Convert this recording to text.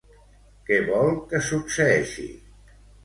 Què vol que succeeixi?